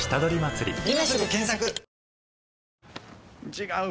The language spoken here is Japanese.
違う。